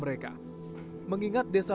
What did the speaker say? bumk kampung sampah blank room